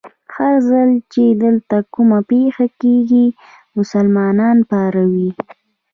هر ځل چې دلته کومه پېښه کېږي، مسلمانان پاروي.